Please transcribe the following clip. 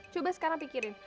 coba sekarang pikirin